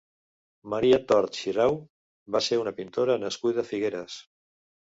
Maria Tort Xirau va ser una pintora nascuda a Figueres.